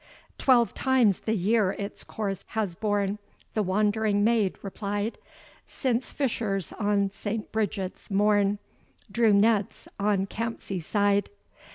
"Twelve times the year its course has born," The wandering maid replied, "Since fishers on St. Bridget's morn Drew nets on Campsie side.